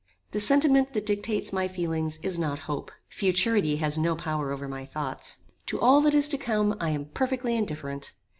The sentiment that dictates my feelings is not hope. Futurity has no power over my thoughts. To all that is to come I am perfectly indifferent.